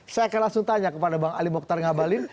saya akan langsung tanya kepada bang ali mokhtar ngabalin